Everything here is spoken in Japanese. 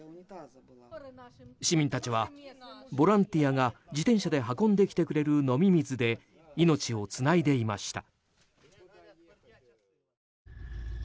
市民たちはボランティアが自転車で運んできてくれる飲み水で命をつないでいました。